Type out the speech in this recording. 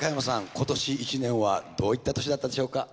今年一年はどういった年だったでしょうか？